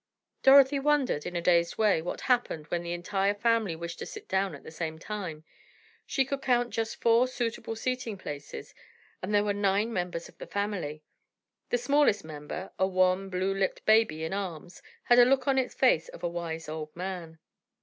Dorothy wondered, in a dazed way, what happened when the entire family wished to sit down at the same time. She could count just four suitable seating places, and there were nine members of the family. The smallest member, a wan, blue lipped baby in arms, had a look on its face of a wise old man.